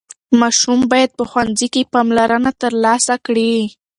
ماشوم باید په ښوونځي کې پاملرنه ترلاسه کړي.